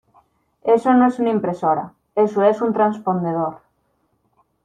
eso no es una impresora. eso es un transpondedor .